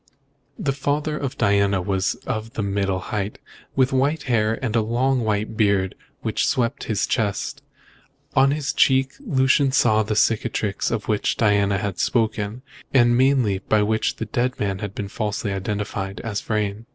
The father of Diana was of middle height, with white hair, and a long white beard which swept his chest. On his cheek Lucian saw the cicatrice of which Diana had spoken, and mainly by which the dead man had been falsely identified as Vrain.